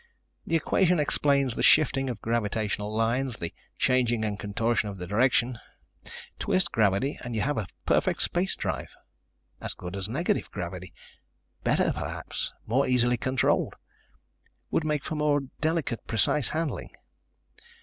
The equation explains the shifting of gravitational lines, the changing and contortion of their direction. Twist gravity and you have a perfect space drive. As good as negative gravity. Better, perhaps, more easily controlled. Would make for more delicate, precise handling."